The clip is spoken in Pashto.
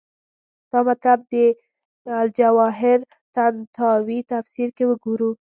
دا مطلب د الجواهر طنطاوي تفسیر کې وګورو.